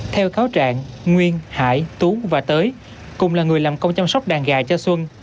theo cáo trạng nguyên hải tú và tới cùng là người làm công chăm sóc đàn gà cho xuân